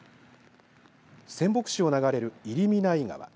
仙北市を流れる入見内川